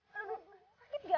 tunggu tunggu ya